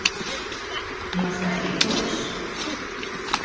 Ma staqsejtuhx?